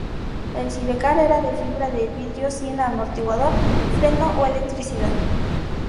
El sidecar era de fibra de vidrio sin amortiguador, freno o electricidad.